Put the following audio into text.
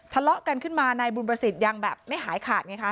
ทะเลาะกันขึ้นมานายบุญประสิทธิ์ยังแบบไม่หายขาดไงคะ